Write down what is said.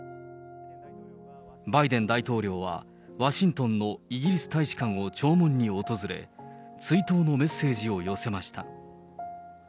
バイデン大統領はワシントンのイギリス大使館を弔問に訪れ、追悼のメッセージを寄せました。